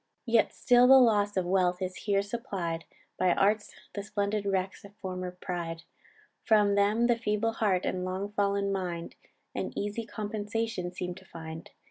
"Yet still the loss of wealth is here supplied By arts, the splendid wrecks of former pride; From them the feeble heart and long fall'n mind An easy compensation seem to find.